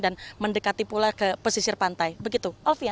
dan mendekati pula ke pesisir pantai begitu